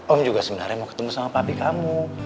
om juga sebenarnya mau ketemu sama pabrik kamu